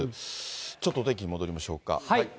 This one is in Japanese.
ちょっとお天気、戻りましょうか。